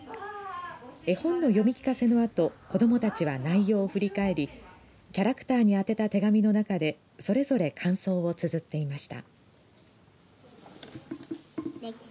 絵本の読み聞かせのあと子どもたちは内容を振り返りキャラクターに宛てた手紙の中で、それぞれ感想をつづっていました。